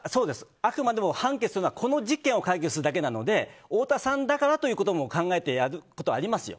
あくまでも判決はこの事件を解決するためだけなので太田さんだからということも考えてやることはありますよ。